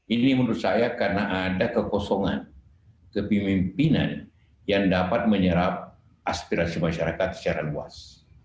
ini menurut saya karena ada kekosongan kepemimpinan yang dapat menyerap aspirasi masyarakat secara luas